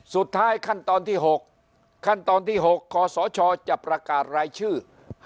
สุดท้ายขั้นตอนที่๖ขั้นตอนที่๖ขอสชจะประกาศรายชื่อ